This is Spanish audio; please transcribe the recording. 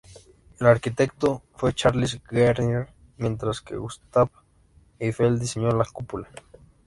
El arquitecto fue Charles Garnier mientras que Gustave Eiffel diseñó la cúpula.